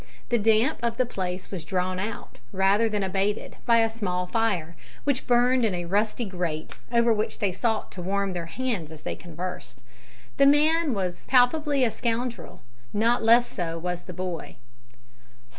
The damp of the place was drawn out, rather than abated, by a small fire, which burned in a rusty grate, over which they sought to warm their hands as they conversed. The man was palpably a scoundrel. Not less so was the boy.